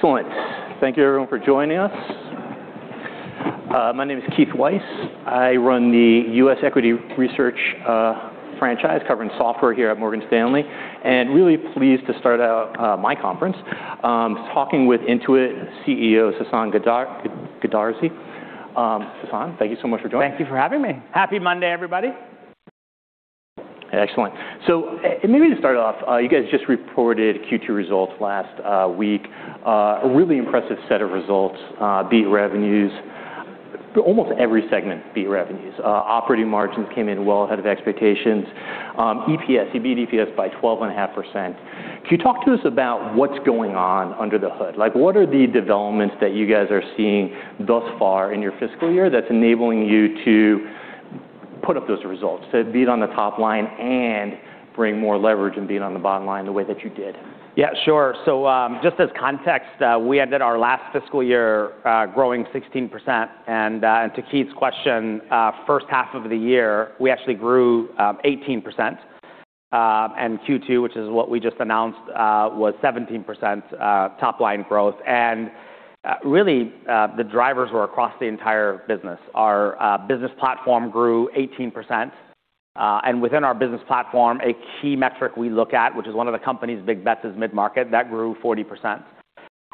Excellent. Thank you everyone for joining us. My name is Keith Weiss. I run the U.S. Equity Research franchise, covering software here at Morgan Stanley, and really pleased to start out my conference, talking with Intuit CEO, Sasan Goodarzi. Sasan, thank you so much for joining us. Thank you for having me. Happy Monday, everybody. Excellent. Maybe to start off, you guys just reported Q2 results last week. A really impressive set of results, beat revenues. Almost every segment beat revenues. Operating margins came in well ahead of expectations. EPS, you beat EPS by 12.5%. Can you talk to us about what's going on under the hood? Like, what are the developments that you guys are seeing thus far in your fiscal year that's enabling you to put up those results, to beat on the top line and bring more leverage and beat on the bottom line the way that you did? Yeah, sure. Just as context, we ended our last fiscal year growing 16%, and to Keith's question, first half of the year, we actually grew 18%. Q2, which is what we just announced, was 17% top-line growth. Really, the drivers were across the entire business. Our business platform grew 18%, and within our business platform, a key metric we look at, which is one of the company's big bets is mid-market, that grew 40%.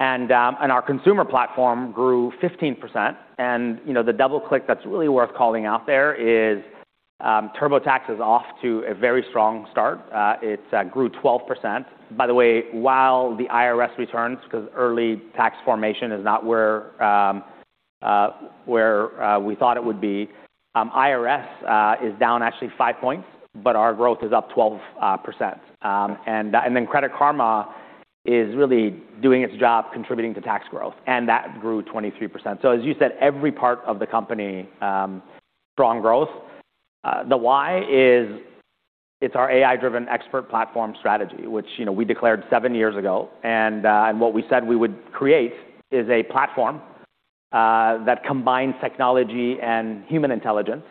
Our consumer platform grew 15%. You know, the double click that's really worth calling out there is TurboTax is off to a very strong start. It's grew 12%. By the way, while the IRS returns, 'cause early tax formation is not where we thought it would be, IRS is down actually 5 points, but our growth is up 12%. And then Credit Karma is really doing its job contributing to tax growth, and that grew 23%. So as you said, every part of the company, strong growth. The why is it's our AI-driven expert platform strategy, which, you know, we declared 7 years ago. And what we said we would create is a platform that combines technology and human intelligence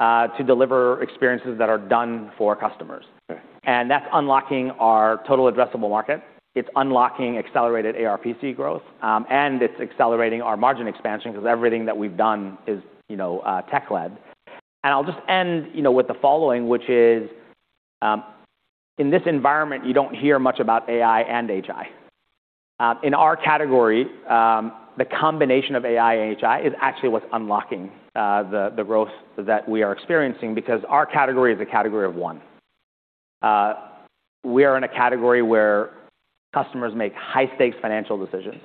to deliver experiences that are done for customers. Okay. That's unlocking our total addressable market. It's unlocking accelerated ARPC growth, and it's accelerating our margin expansion 'cause everything that we've done is, you know, tech-led. I'll just end, you know, with the following, which is, in this environment, you don't hear much about AI and HI. In our category, the combination of AI and HI is actually what's unlocking the growth that we are experiencing because our category is a category of one. We are in a category where customers make high-stakes financial decisions,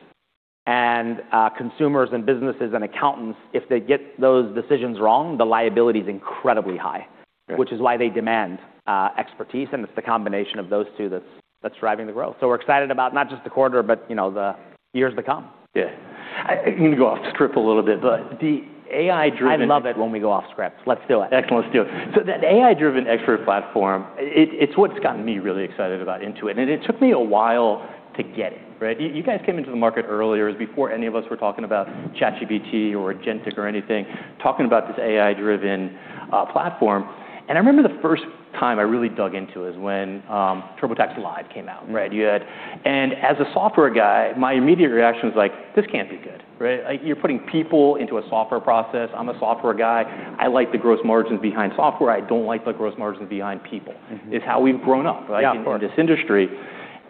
and, consumers and businesses and accountants, if they get those decisions wrong, the liability is incredibly high- Right... which is why they demand expertise, and it's the combination of those two that's driving the growth. We're excited about not just the quarter, but, you know, the years to come. Yeah. I'm gonna go off-script a little bit, but the AI-driven- I love it when we go off-script. Let's do it. Excellent. Let's do it. That AI-driven expert platform, it's what's gotten me really excited about Intuit, and it took me a while to get it, right? You guys came into the market earlier. It was before any of us were talking about ChatGPT or agentic or anything, talking about this AI-driven platform. I remember the first time I really dug into it is when TurboTax Live came out, right? And as a software guy, my immediate reaction was like, "This can't be good," right? Like, you're putting people into a software process. I'm a software guy. I like the gross margins behind software. I don't like the gross margins behind people. Mm-hmm. It's how we've grown up, right? Yeah. Of course.... in this industry.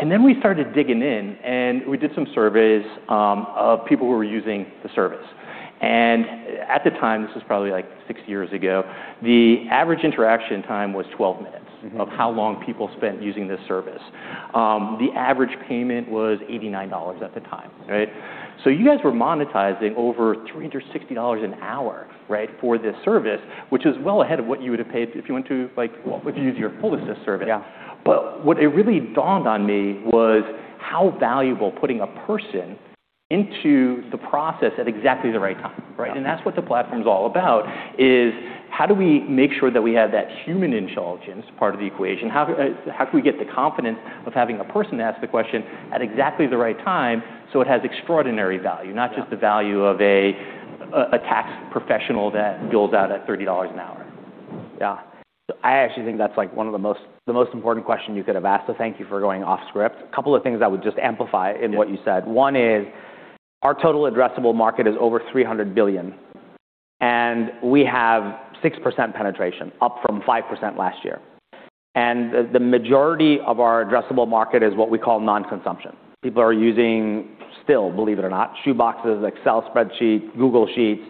We started digging in, and we did some surveys of people who were using the service. At the time, this was probably like 6 years ago, the average interaction time was 12 minutes. Mm-hmm of how long people spent using this service. The average payment was $89 at the time, right? You guys were monetizing over $360 an hour, right, for this service, which is well ahead of what you would have paid if you went to, like, if you use your full assist service. Yeah. What it really dawned on me was how valuable putting a person into the process at exactly the right time, right? Yeah. That's what the platform's all about, is how do we make sure that we have that human intelligence part of the equation? How do we get the confidence of having a person ask the question at exactly the right time, so it has extraordinary value. Yeah... not just the value of a tax professional that bills out at $30 an hour? Yeah. I actually think that's like one of the most important question you could have asked. Thank you for going off-script. A couple of things I would just amplify in what you said. Yeah. One is our total addressable market is over $300 billion, and we have 6% penetration, up from 5% last year. The majority of our addressable market is what we call non-consumption. People are using, still, believe it or not, shoeboxes, Excel spreadsheets, Google Sheets,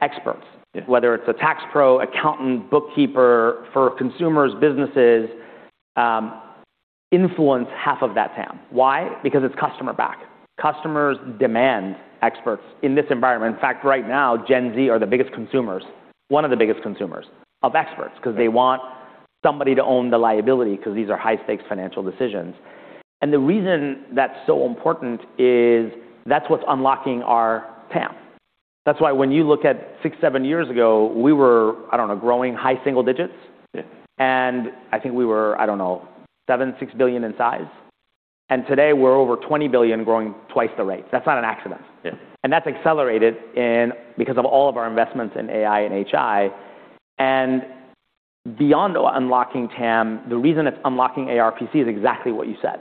experts- Yeah... whether it's a tax pro, accountant, bookkeeper for consumers, businesses, influence half of that TAM. Why? Because it's customer-backed. Customers demand experts in this environment. In fact, right now, Gen Z are one of the biggest consumers of experts. Right... 'cause they want somebody to own the liability 'cause these are high-stakes financial decisions. The reason that's so important is that's what's unlocking our TAM. That's why when you look at six, seven years ago, we were, I don't know, growing high single digits. Yeah. I think we were, I don't know, $7 billion, $6 billion in size. Today we're over $20 billion growing twice the rate. That's not an accident. Yeah. That's accelerated because of all of our investments in AI and HI. Beyond unlocking TAM, the reason it's unlocking ARPC is exactly what you said.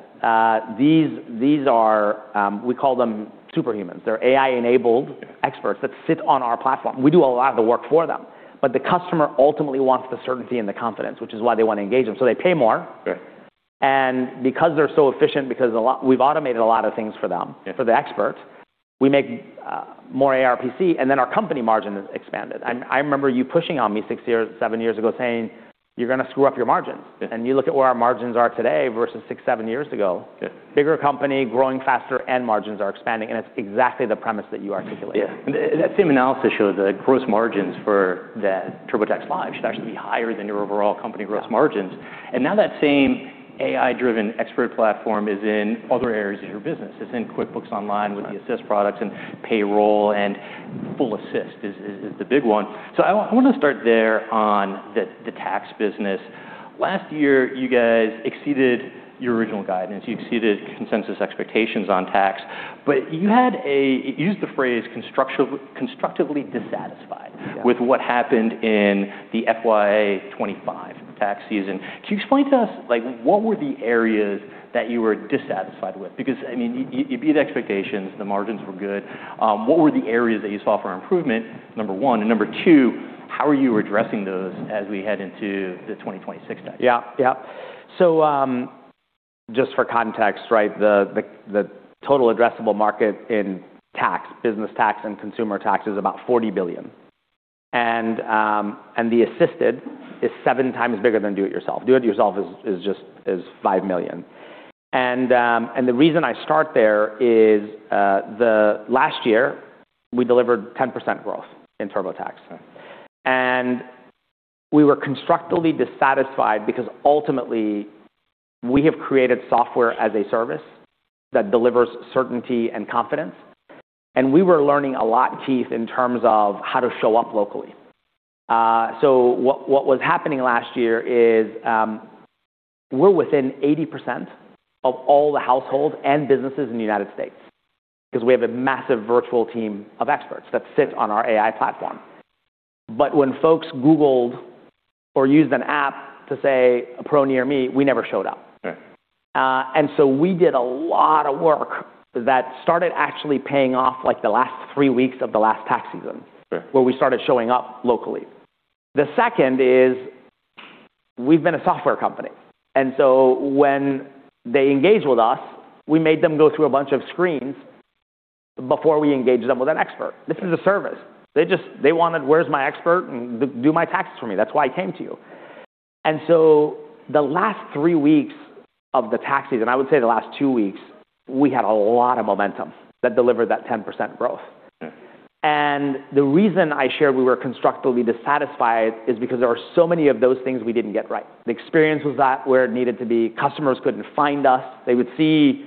These are, we call them super humans. They're AI-enabled. Yeah. experts that sit on our platform. We do a lot of the work for them, but the customer ultimately wants the certainty and the confidence, which is why they want to engage them, so they pay more. Yeah. Because they're so efficient, because we've automated a lot of things for them. Yeah. for the experts, we make more ARPC, and then our company margin is expanded. I remember you pushing on me six years, seven years ago saying, "You're gonna screw up your margins. Yeah. You look at where our margins are today versus 6, 7 years ago. Yeah. Bigger company, growing faster, and margins are expanding, and it's exactly the premise that you articulated. Yeah. That same analysis shows that gross margins for the TurboTax Live should actually be higher than your overall company gross margins. Yeah. Now that same AI-driven expert platform is in other areas of your business. It's in QuickBooks Online with the Assist products, and Payroll, and Full Assist is the big one. I wanna start there on the tax business. Last year, you guys exceeded your original guidance. You exceeded consensus expectations on tax. You used the phrase constructively dissatisfied- Yeah. -with what happened in the FY 25 tax season. Can you explain to us, like, what were the areas that you were dissatisfied with? Because, I mean, you beat expectations, the margins were good. What were the areas that you saw for improvement, number one? Number two, how are you addressing those as we head into the 2026 tax season? Yeah. Yeah. Just for context, right? The total addressable market in tax, business tax and consumer tax is about $40 billion. The assisted is seven times bigger than do it yourself. Do it yourself is just $5 million. The reason I start there is last year, we delivered 10% growth in TurboTax. We were constructively dissatisfied because ultimately, we have created Software as a Service that delivers certainty and confidence, and we were learning a lot, Keith, in terms of how to show up locally. What was happening last year is we're within 80% of all the households and businesses in the United States 'cause we have a massive virtual team of experts that sit on our AI platform. When folks Googled or used an app to say, "A pro near me," we never showed up. Right. We did a lot of work that started actually paying off, like, the last three weeks of the last tax season. Right. where we started showing up locally. The second is we've been a software company, when they engage with us, we made them go through a bunch of screens before we engaged them with an expert. This is a service. They wanted, "Where's my expert? Do my taxes for me. That's why I came to you." The last 3 weeks of the tax season, I would say the last 2 weeks, we had a lot of momentum that delivered that 10% growth. Yeah. The reason I shared we were constructively dissatisfied is because there were so many of those things we didn't get right. The experience was not where it needed to be. Customers couldn't find us. They would see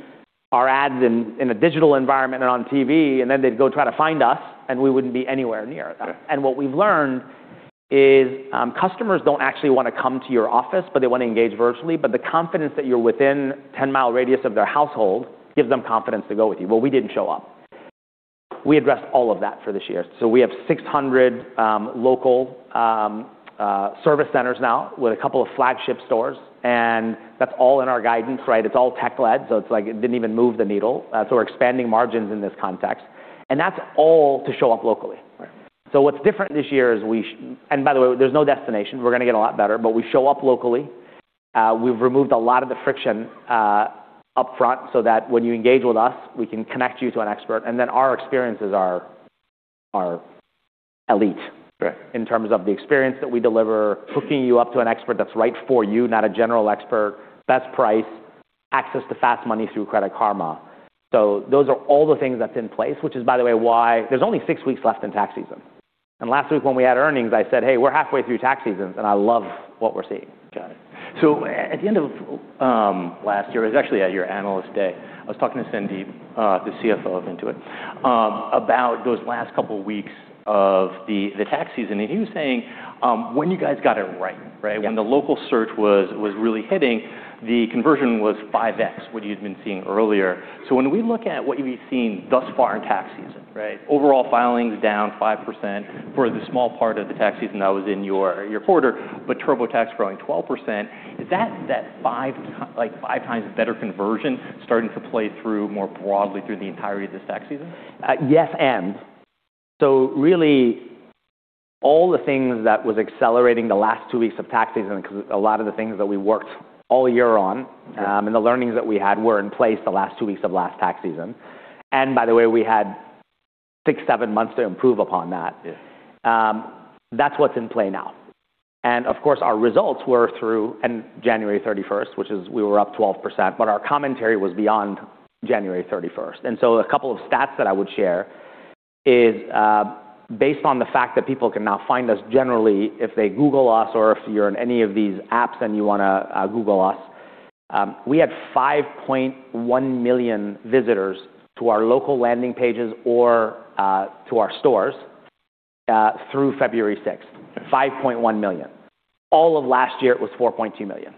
our ads in a digital environment or on TV, and then they'd go try to find us, and we wouldn't be anywhere near them. Right. What we've learned is, customers don't actually wanna come to your office, but they wanna engage virtually. The confidence that you're within 10-mile radius of their household gives them confidence to go with you. We didn't show up. We addressed all of that for this year. We have 600 local service centers now with a couple of flagship stores, and that's all in our guidance, right? It's all tech-led, so it's like it didn't even move the needle. We're expanding margins in this context, and that's all to show up locally. Right. What's different this year is. By the way, there's no destination. We're gonna get a lot better, but we show up locally. We've removed a lot of the friction, up front so that when you engage with us, we can connect you to an expert, and then our experiences are elite. Right. in terms of the experience that we deliver, hooking you up to an expert that's right for you, not a general expert, best price, access to fast money through Credit Karma. Those are all the things that's in place, which is, by the way, why there's only six weeks left in tax season. Last week when we had earnings, I said, "Hey, we're halfway through tax season, and I love what we're seeing. Got it. At the end of last year, it was actually at your Analyst Day, I was talking to Sandeep, the CFO of Intuit, about those last couple weeks of the tax season. He was saying, when you guys got it right? Yeah. When the local search was really hitting, the conversion was 5x what you had been seeing earlier. When we look at what you've been seeing thus far in tax season, right, overall filings down 5% for the small part of the tax season that was in your quarter, but TurboTax growing 12%. Is that 5 times better conversion starting to play through more broadly through the entirety of this tax season? Yes. Really all the things that was accelerating the last 2 weeks of tax season, 'cause a lot of the things that we worked all year on... Yeah. The learnings that we had were in place the last two weeks of last tax season. By the way, we had six, seven months to improve upon that. Yeah. That's what's in play now. Of course, our results were through January 31st, which is we were up 12%, but our commentary was beyond January 31st. A couple of stats that I would share is, based on the fact that people can now find us generally if they Google us or if you're in any of these apps and you wanna Google us, we had $5.1 million visitors to our local landing pages or to our stores. Through February 6th, $5.1 million. All of last year, it was $4.2 million.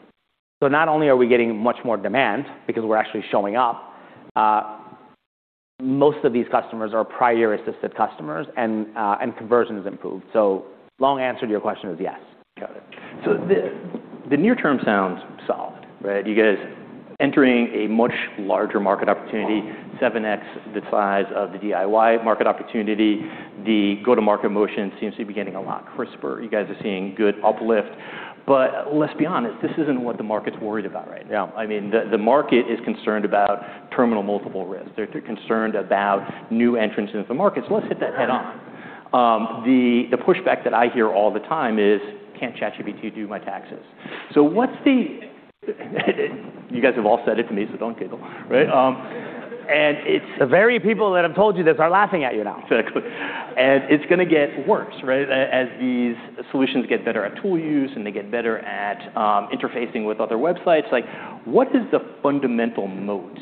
Not only are we getting much more demand because we're actually showing up, most of these customers are prior assisted customers and conversion has improved. Long answer to your question is yes. Got it. The near term sounds solid, right? You guys entering a much larger market opportunity, 7x the size of the DIY market opportunity. The go-to-market motion seems to be getting a lot crisper. You guys are seeing good uplift. Let's be honest, this isn't what the market's worried about right now. Yeah. I mean, the market is concerned about terminal multiple risk. They're concerned about new entrants into the market. Let's hit that head-on. Right. The, the pushback that I hear all the time is, "Can't ChatGPT do my taxes?" You guys have all said it to me, so don't giggle. Right? It's the very people that have told you this are laughing at you now. Exactly. It's gonna get worse, right? As these solutions get better at tool use, and they get better at interfacing with other websites. Like, what is the fundamental moat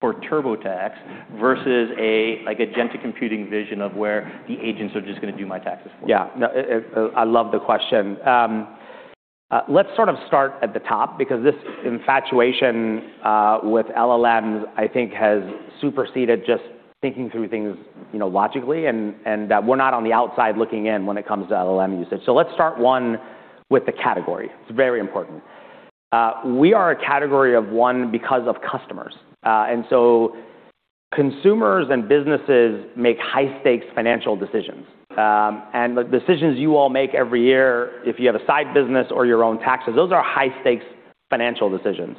for TurboTax versus a, like a agentic computing vision of where the agents are just gonna do my taxes for me? Yeah. No, I love the question. Let's sort of start at the top because this infatuation with LLMs, I think has superseded just thinking through things, you know, logically and we're not on the outside looking in when it comes to LLM usage. Let's start, 1, with the category. It's very important. We are a category of 1 because of customers. Consumers and businesses make high-stakes financial decisions. The decisions you all make every year, if you have a side business or your own taxes, those are high-stakes financial decisions.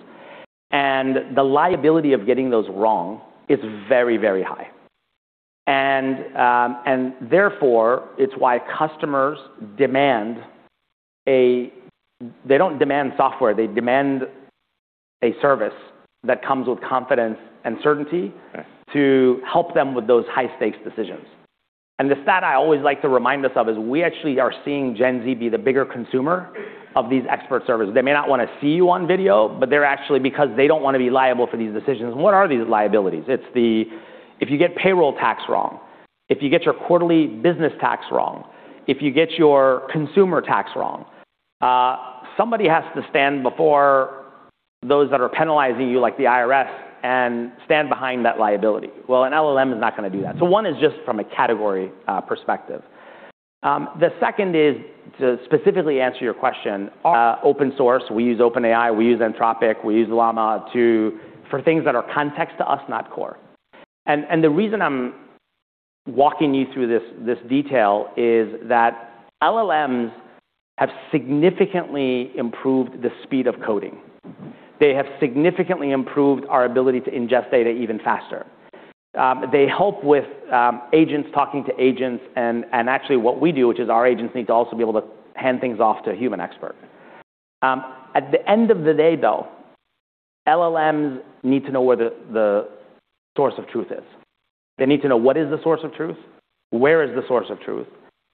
The liability of getting those wrong is very, very high. Therefore, it's why customers demand. They don't demand software, they demand a service that comes with confidence and certainty... Right to help them with those high-stakes decisions. The stat I always like to remind us of is we actually are seeing Gen Z be the bigger consumer of these expert services. They may not wanna see you on video, but they're actually because they don't wanna be liable for these decisions. What are these liabilities? If you get payroll tax wrong, if you get your quarterly business tax wrong, if you get your consumer tax wrong, somebody has to stand before those that are penalizing you, like the IRS, and stand behind that liability. Well, an LLM is not gonna do that. One is just from a category perspective. The second is to specifically answer your question. Open source, we use OpenAI, we use Anthropic, we use Llama for things that are context to us, not core. The reason I'm walking you through this detail is that LLMs have significantly improved the speed of coding. They have significantly improved our ability to ingest data even faster. They help with agents talking to agents and actually what we do, which is our agents need to also be able to hand things off to a human expert. At the end of the day, though, LLMs need to know where the source of truth is. They need to know what is the source of truth, where is the source of truth,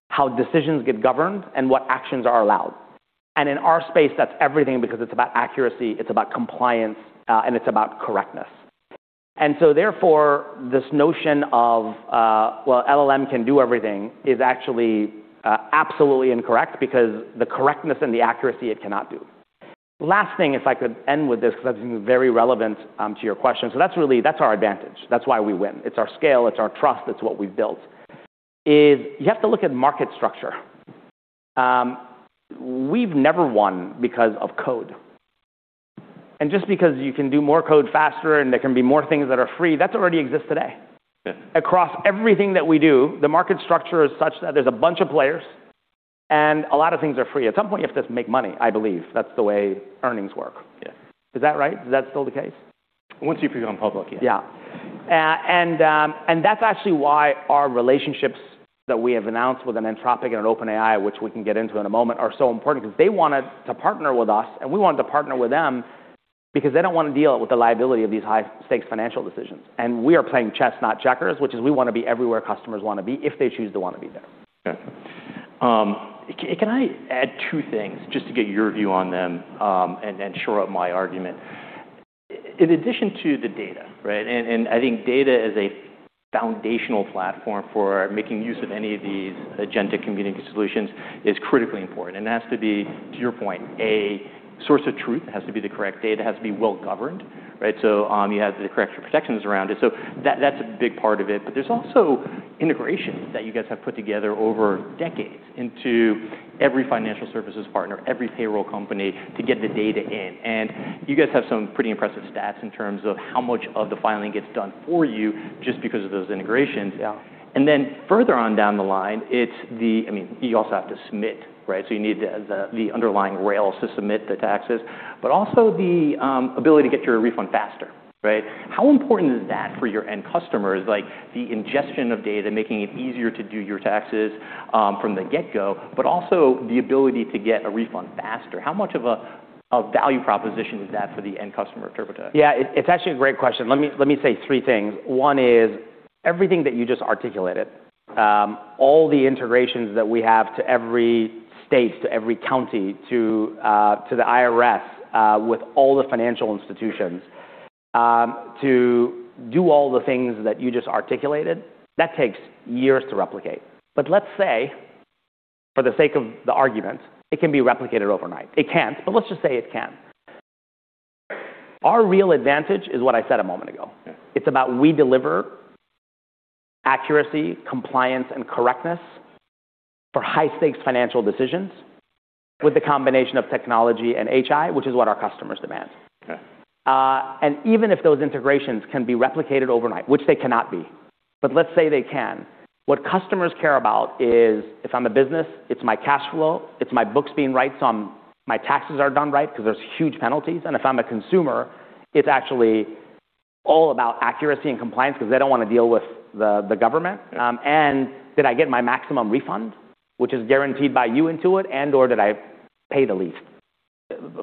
how decisions get governed, and what actions are allowed. In our space, that's everything because it's about accuracy, it's about compliance, and it's about correctness. Therefore, this notion of, well, LLM can do everything is actually absolutely incorrect because the correctness and the accuracy it cannot do. Last thing, if I could end with this, 'cause I think it's very relevant to your question. That's our advantage. That's why we win. It's our scale, it's our trust, it's what we've built, is you have to look at market structure. We've never won because of code. Just because you can do more code faster, and there can be more things that are free, that already exists today. Yeah. Across everything that we do, the market structure is such that there's a bunch of players, and a lot of things are free. At some point, you have to make money, I believe. That's the way earnings work. Yeah. Is that right? Is that still the case? Once you've become public, yeah. Yeah. That's actually why our relationships that we have announced with an Anthropic and an OpenAI, which we can get into in a moment, are so important 'cause they wanted to partner with us, and we wanted to partner with them because they don't wanna deal with the liability of these high-stakes financial decisions. We are playing chess, not checkers, which is we wanna be everywhere customers wanna be if they choose to wanna be there. Okay. can I add two things just to get your view on them, and then shore up my argument? In addition to the data, right, and I think data is a foundational platform for making use of any of these agentic computing solutions is critically important, and it has to be, to your point, a source of truth. It has to be the correct data. It has to be well-governed, right? You have the correct protections around it. That's a big part of it. There's also integration that you guys have put together over decades into every financial services partner, every payroll company to get the data in. You guys have some pretty impressive stats in terms of how much of the filing gets done for you just because of those integrations. Yeah. Further on down the line, it's the. I mean, you also have to submit, right? You need the underlying rails to submit the taxes, but also the ability to get your refund faster, right? How important is that for your end customers, like the ingestion of data, making it easier to do your taxes, from the get-go, but also the ability to get a refund faster? How much of a value proposition is that for the end customer of TurboTax? It's actually a great question. Let me say three things. One is everything that you just articulated, all the integrations that we have to every state, to every county, to the IRS, with all the financial institutions. To do all the things that you just articulated, that takes years to replicate. Let's say for the sake of the argument, it can be replicated overnight. It can't, but let's just say it can. Our real advantage is what I said a moment ago. Okay. It's about we deliver accuracy, compliance, and correctness for high-stakes financial decisions with the combination of technology and HI, which is what our customers demand. Okay. Even if those integrations can be replicated overnight, which they cannot be, but let's say they can. What customers care about is if I'm a business, it's my cash flow, it's my books being right, so my taxes are done right 'cause there's huge penalties. If I'm a consumer, it's actually all about accuracy and compliance 'cause they don't wanna deal with the government. Did I get my maximum refund, which is guaranteed by you, Intuit, and/or did I pay the least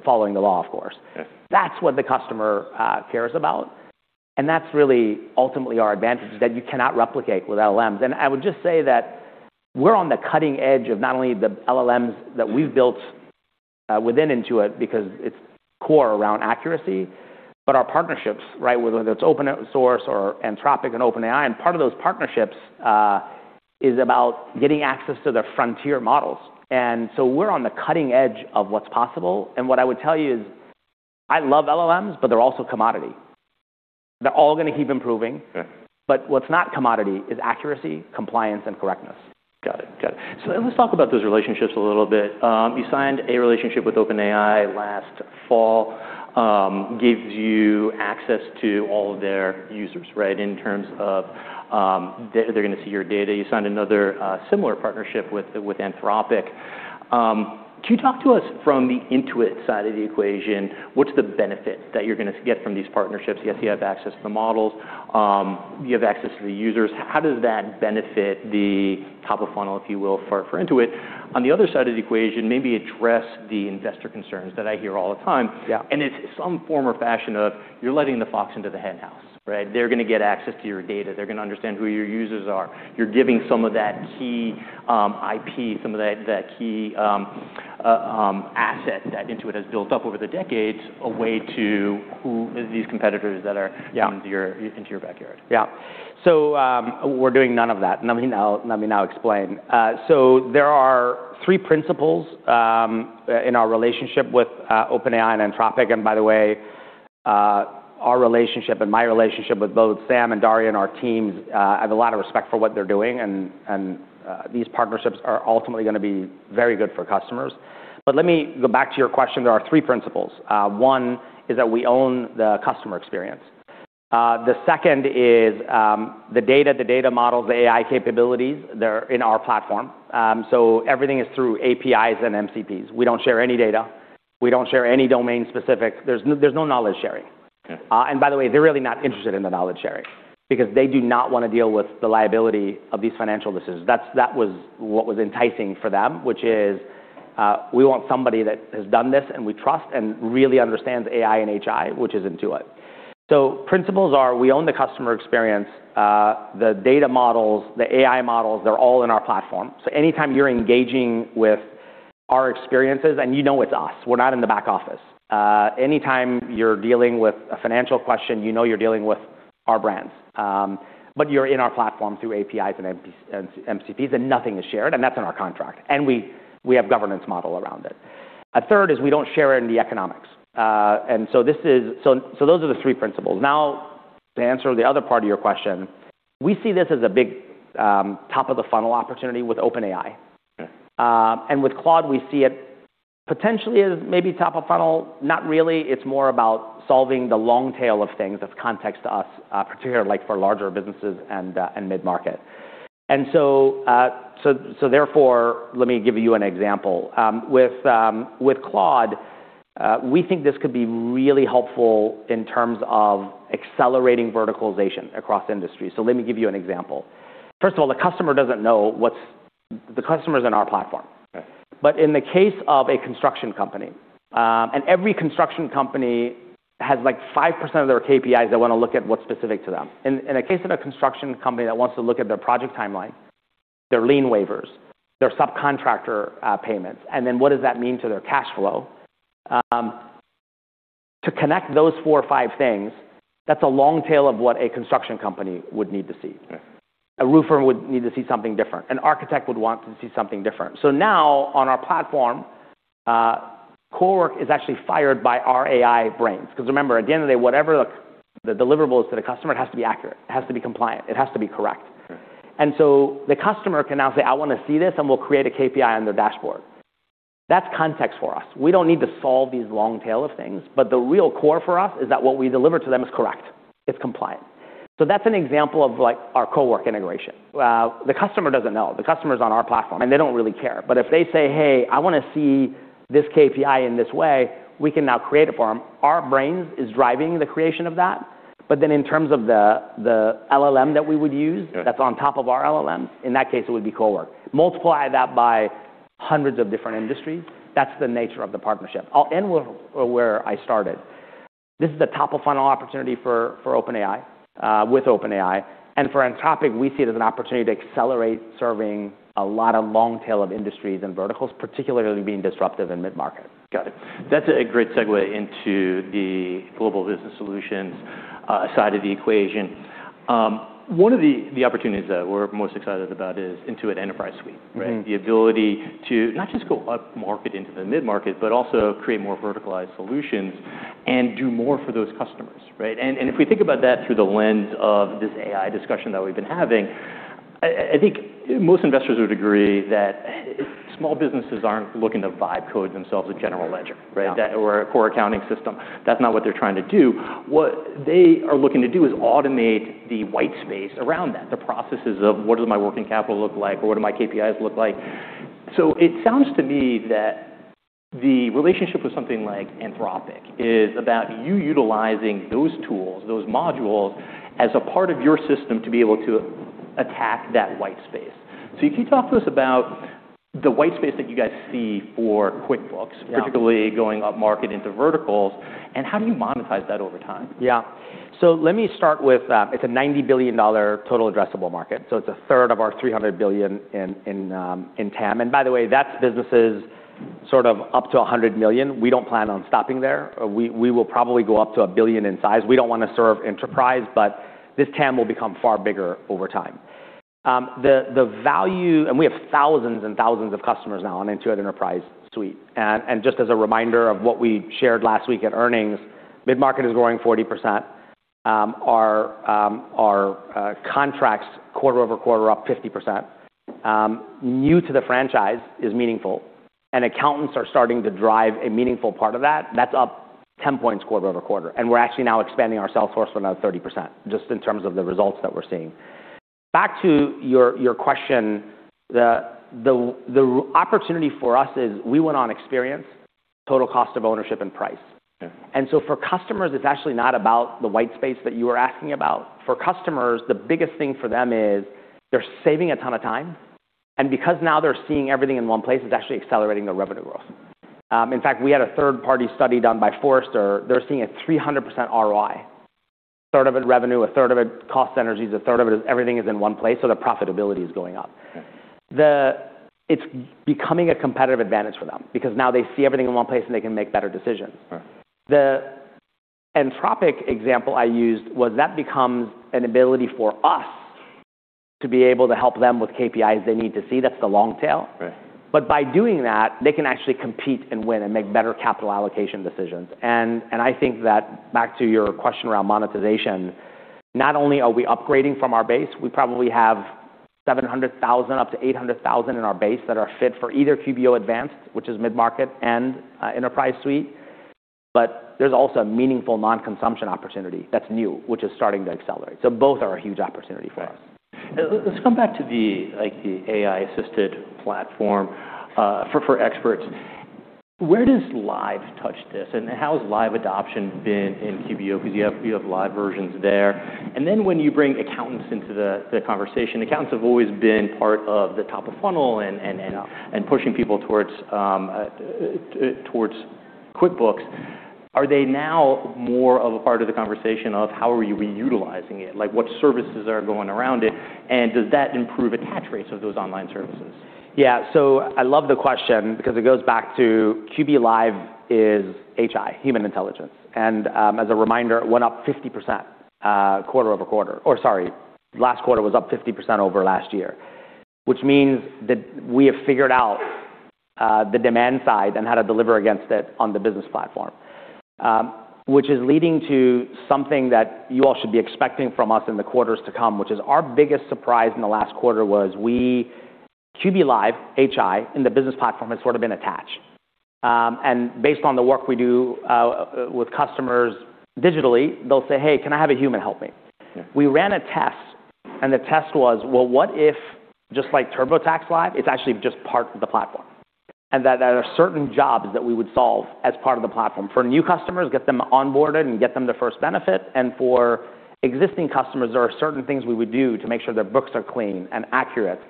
following the law, of course. Yes. That's what the customer cares about, and that's really ultimately our advantage is that you cannot replicate with LLMs. I would just say that we're on the cutting edge of not only the LLMs that we've built within Intuit because it's core around accuracy, but our partnerships, right? Whether it's open source or Anthropic and OpenAI, part of those partnerships is about getting access to their frontier models. So we're on the cutting edge of what's possible. What I would tell you is I love LLMs, but they're also commodity. They're all gonna keep improving. Yeah. what's not commodity is accuracy, compliance, and correctness. Got it. Got it. Let's talk about those relationships a little bit. You signed a relationship with OpenAI last fall, gives you access to all of their users, right? In terms of, they're gonna see your data. You signed another similar partnership with Anthropic. Could you talk to us from the Intuit side of the equation, what's the benefit that you're gonna get from these partnerships? Yes, you have access to the models, you have access to the users. How does that benefit the top of funnel, if you will, for Intuit? On the other side of the equation, maybe address the investor concerns that I hear all the time. Yeah. It's some form or fashion of you're letting the fox into the henhouse, right? They're gonna get access to your data. They're gonna understand who your users are. You're giving some of that key IP, some of that key asset that Intuit has built up over the decades, a way to who. These competitors that are- Yeah. coming into your, into your backyard. We're doing none of that. Let me now explain. There are three principles in our relationship with OpenAI and Anthropic. By the way, our relationship and my relationship with both Sam and Daria and our teams, I have a lot of respect for what they're doing and these partnerships are ultimately gonna be very good for customers. Let me go back to your question. There are three principles. One is that we own the customer experience. The second is, the data, the data models, the AI capabilities, they're in our platform. Everything is through APIs and MCPs. We don't share any data. We don't share any domain specific. There's no knowledge sharing. Okay. By the way, they're really not interested in the knowledge sharing because they do not wanna deal with the liability of these financial decisions. That was what was enticing for them, which is, we want somebody that has done this and we trust and really understands AI and HI, which is Intuit. Principles are we own the customer experience. The data models, the AI models, they're all in our platform. Anytime you're engaging with our experiences, and you know it's us, we're not in the back office. Anytime you're dealing with a financial question, you know you're dealing with our brands. You're in our platform through APIs and MCPs, and nothing is shared, and that's in our contract, and we have governance model around it. A third is we don't share in the economics. Those are the three principles. Now, to answer the other part of your question, we see this as a big top of the funnel opportunity with OpenAI. Okay. With Claude, we see it potentially as maybe top of funnel. Not really. It's more about solving the long tail of things. That's context to us, particularly like for larger businesses and mid-market. So therefore, let me give you an example. With Claude, we think this could be really helpful in terms of accelerating verticalization across industries. Let me give you an example. First of all, the customer doesn't know what's... The customer's in our platform. Okay. In the case of a construction company, and every construction company has like 5% of their KPIs they wanna look at what's specific to them. In a case of a construction company that wants to look at their project timeline, their lien waivers, their subcontractor payments, and then what does that mean to their cash flow, to connect those 4 or 5 things, that's a long tail of what a construction company would need to see. Right. A roofer would need to see something different. An architect would want to see something different. Now on our platform, CoWork is actually fired by our AI brains 'cause remember, at the end of the day, whatever the deliverable is to the customer, it has to be accurate, it has to be compliant, it has to be correct. Right. The customer can now say, "I wanna see this," and we'll create a KPI on their dashboard. That's context for us. We don't need to solve these long tail of things, but the real core for us is that what we deliver to them is correct, it's compliant. That's an example of like our CoWork integration. The customer doesn't know. The customer's on our platform, and they don't really care. If they say, "Hey, I wanna see this KPI in this way," we can now create it for them. Our brains is driving the creation of that, but then in terms of the LLM that we would use- Yeah. That's on top of our LLM, in that case, it would be Cowork. Multiply that by hundreds of different industries. That's the nature of the partnership. I'll end where I started. This is a top-of-funnel opportunity for OpenAI, with OpenAI, and for Anthropic, we see it as an opportunity to accelerate serving a lot of long tail of industries and verticals, particularly being disruptive in mid-market. Got it. That's a great segue into the global business solutions, side of the equation. One of the opportunities that we're most excited about is Intuit Enterprise Suite, right? Mm-hmm. The ability to not just go upmarket into the mid-market, but also create more verticalized solutions and do more for those customers, right? If we think about that through the lens of this AI discussion that we've been having, I think most investors would agree that small businesses aren't looking to vibe code themselves a general ledger, right? Yeah. Or a core accounting system. That's not what they're trying to do. What they are looking to do is automate the white space around that, the processes of what does my working capital look like or what do my KPIs look like. It sounds to me that the relationship with something like Anthropic is about you utilizing those tools, those modules, as a part of your system to be able to attack that white space. Can you talk to us about the white space that you guys see for QuickBooks? Yeah... particularly going upmarket into verticals, and how do you monetize that over time? Let me start with, it's a $90 billion total addressable market, it's a third of our $300 billion in TAM. By the way, that's businesses sort of up to $100 million. We don't plan on stopping there. We will probably go up to $1 billion in size. We don't wanna serve enterprise, this TAM will become far bigger over time. We have thousands and thousands of customers now on Intuit Enterprise Suite. Just as a reminder of what we shared last week at earnings, mid-market is growing 40%. Our contracts quarter-over-quarter are up 50%. New to the franchise is meaningful, accountants are starting to drive a meaningful part of that's up 10 points quarter-over-quarter. We're actually now expanding our sales force by another 30%, just in terms of the results that we're seeing. Back to your question, the opportunity for us is we went on experience, total cost of ownership, and price. Yeah. For customers, it's actually not about the white space that you were asking about. For customers, the biggest thing for them is they're saving a ton of time, and because now they're seeing everything in one place, it's actually accelerating their revenue growth. In fact, we had a third-party study done by Forrester. They're seeing a 300% ROI. A third of it revenue, a third of it cost synergies, a third of it is everything is in one place, so their profitability is going up. Okay. It's becoming a competitive advantage for them because now they see everything in one place, and they can make better decisions. Right. The Anthropic example I used was that becomes an ability for us to be able to help them with KPIs they need to see. That's the long tail. Right. By doing that, they can actually compete and win and make better capital allocation decisions. I think that, back to your question around monetization, not only are we upgrading from our base, we probably have 700,000 up to 800,000 in our base that are fit for either QBO Advanced, which is mid-market, and Enterprise Suite, but there's also a meaningful non-consumption opportunity that's new, which is starting to accelerate. Both are a huge opportunity for us. Right. Let's come back to the, like, the AI-assisted platform for experts. Where does Live touch this, and how has Live adoption been in QBO? 'Cause you have Live versions there. When you bring accountants into the conversation, accountants have always been part of the top of funnel and. Yeah... and pushing people towards QuickBooks. Are they now more of a part of the conversation of how are you reutilizing it? Like, what services are going around it, and does that improve attach rates of those online services? Yeah. I love the question because it goes back to QuickBooks Live is HI, human intelligence. As a reminder, it went up 50%, quarter-over-quarter. Or sorry, last quarter was up 50% over last year, which means that we have figured out the demand side and how to deliver against it on the business platform. Which is leading to something that you all should be expecting from us in the quarters to come, which is our biggest surprise in the last quarter was QuickBooks Live HI in the business platform has sort of been attached. Based on the work we do with customers digitally, they'll say, "Hey, can I have a human help me? Yeah. We ran a test, the test was, well, what if, just like TurboTax Live, it's actually just part of the platform, and that there are certain jobs that we would solve as part of the platform. For new customers, get them onboarded and get them their first benefit, and for existing customers, there are certain things we would do to make sure their books are clean and accurate,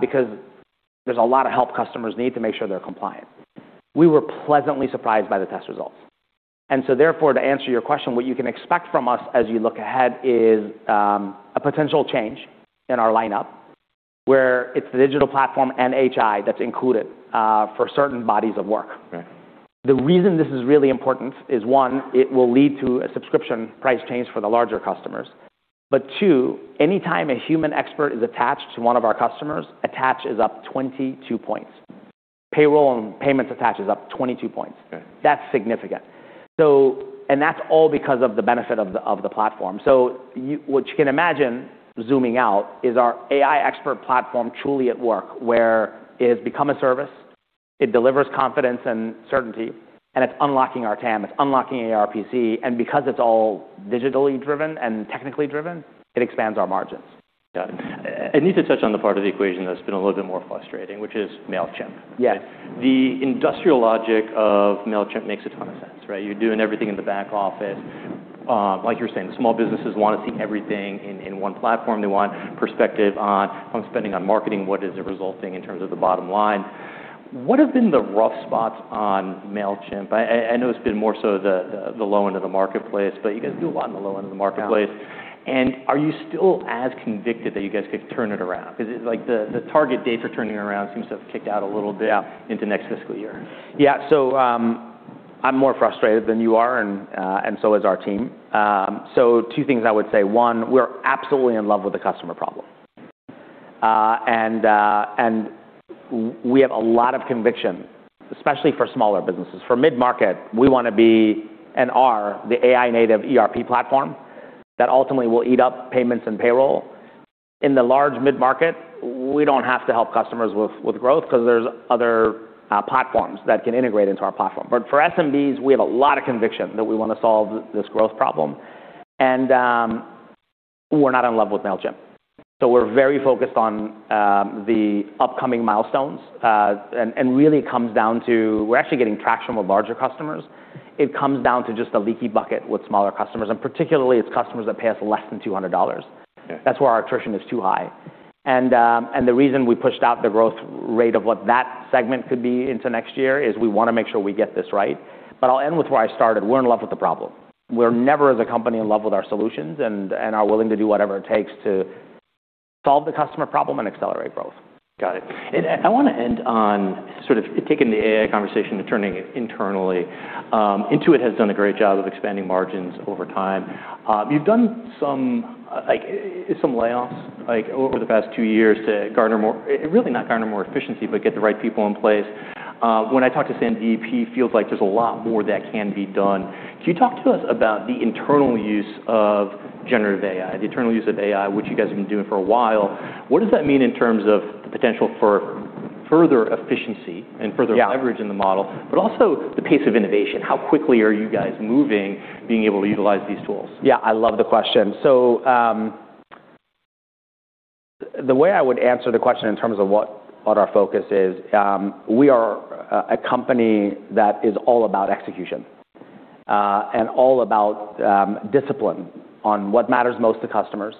because there's a lot of help customers need to make sure they're compliant. We were pleasantly surprised by the test results. Therefore, to answer your question, what you can expect from us as you look ahead is a potential change in our lineup where it's the digital platform and HI that's included for certain bodies of work. Right. The reason this is really important is, one, it will lead to a subscription price change for the larger customers. Two, anytime a human expert is attached to one of our customers, attach is up 22 points. Payroll and payments attach is up 22 points. Okay. That's significant. That's all because of the benefit of the, of the platform. What you can imagine zooming out is our AI expert platform truly at work, where it has become a service, it delivers confidence and certainty, and it's unlocking our TAM, it's unlocking ARPC. Because it's all digitally driven and technically driven, it expands our margins. Got it. I need to touch on the part of the equation that's been a little bit more frustrating, which is Mailchimp. Yeah. The industrial logic of Mailchimp makes a ton of sense, right? You're doing everything in the back office. Like you were saying, small businesses wanna see everything in one platform. They want perspective on spending on marketing. What is the resulting in terms of the bottom line? What have been the rough spots on Mailchimp? I know it's been more so the low end of the marketplace, but you guys do a lot in the low end of the marketplace. Yeah. Are you still as convicted that you guys could turn it around? 'Cause like, the target dates are turning around. It seems to have kicked out a little bit. Yeah into next fiscal year. Yeah. I'm more frustrated than you are, and so is our team. Two things I would say. One, we're absolutely in love with the customer problem. And we have a lot of conviction, especially for smaller businesses. For mid-market, we wanna be and are the AI native ERP platform that ultimately will eat up payments and payroll. In the large mid-market, we don't have to help customers with growth 'cause there's other platforms that can integrate into our platform. For SMBs, we have a lot of conviction that we wanna solve this growth problem, and we're not in love with Mailchimp. We're very focused on the upcoming milestones. And really it comes down to we're actually getting traction with larger customers. It comes down to just a leaky bucket with smaller customers, and particularly it's customers that pay us less than $200. Yeah. That's where our attrition is too high. The reason we pushed out the growth rate of what that segment could be into next year is we wanna make sure we get this right. I'll end with where I started. We're in love with the problem. We're never as a company in love with our solutions and are willing to do whatever it takes to solve the customer problem and accelerate growth. Got it. I wanna end on sort of taking the AI conversation and turning it internally. Intuit has done a great job of expanding margins over time. you've done some, like some layoffs, like over the past two years to garner more... really not garner more efficiency, but get the right people in place. When I talk to Sandy, he feels like there's a lot more that can be done. Can you talk to us about the internal use of generative AI, the internal use of AI, which you guys have been doing for a while? What does that mean in terms of the potential for further efficiency and further- Yeah. leverage in the model, but also the pace of innovation? How quickly are you guys moving, being able to utilize these tools? Yeah, I love the question. The way I would answer the question in terms of what our focus is, we are a company that is all about execution, and all about discipline on what matters most to customers,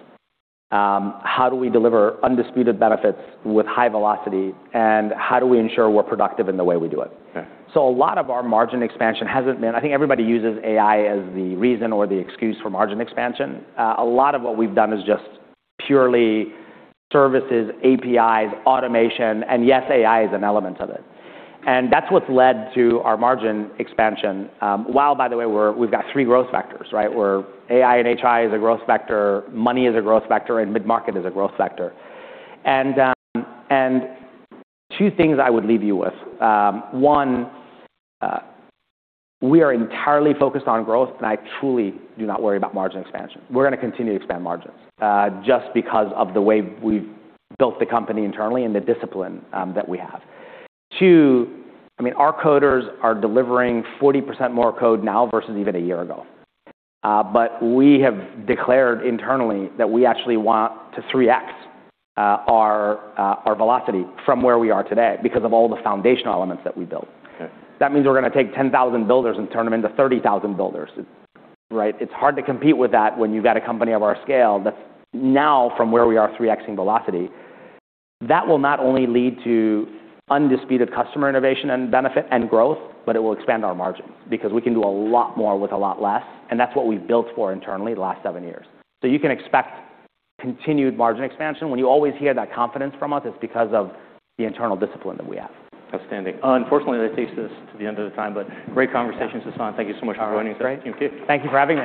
how do we deliver undisputed benefits with high velocity, and how do we ensure we're productive in the way we do it. Okay. A lot of our margin expansion hasn't been. I think everybody uses AI as the reason or the excuse for margin expansion. A lot of what we've done is just purely services, APIs, automation, and yes, AI is an element of it. That's what's led to our margin expansion, while, by the way, we're we've got 3 growth vectors, right? Where AI and HI is a growth vector, money is a growth vector, and mid-market is a growth vector. Two things I would leave you with. One, we are entirely focused on growth, and I truly do not worry about margin expansion. We're gonna continue to expand margins, just because of the way we've built the company internally and the discipline that we have. Two, I mean, our coders are delivering 40% more code now versus even a year ago. We have declared internally that we actually want to 3x our velocity from where we are today because of all the foundational elements that we built. Okay. That means we're gonna take 10,000 builders and turn them into 30,000 builders, right? It's hard to compete with that when you've got a company of our scale that's now from where we are 3x-ing velocity. That will not only lead to undisputed customer innovation and benefit and growth, but it will expand our margins because we can do a lot more with a lot less, and that's what we've built for internally the last seven years. You can expect continued margin expansion. When you always hear that confidence from us, it's because of the internal discipline that we have. Outstanding. Unfortunately, that takes us to the end of the time, but great conversation, Sasan. Thank you so much for joining us. All right. Thank you for having me.